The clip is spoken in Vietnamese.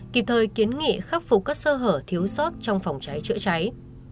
kịp thời kiến nghị khắc phục các sơ hở thiếu sót trong phòng cháy chữa cháy